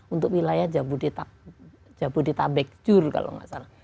untuk wilayah jabodetabek jur kalau nggak salah